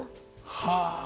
はあ。